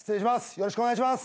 よろしくお願いします。